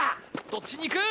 どっちにいく！？